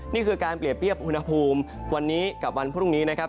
นี่คือการเปรียบเทียบอุณหภูมิวันนี้กับวันพรุ่งนี้นะครับ